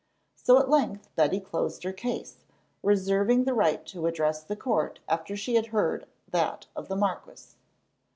So at length Betty closed her case, reserving the right to address the court after she had heard that of the marquis.